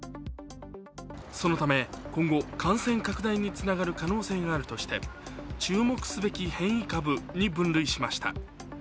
そのため今後、感染拡大につながる可能性があるとして注目すべき変異株に分類しました。